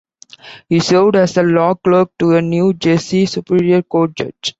He served as a law clerk to a New Jersey Superior Court Judge.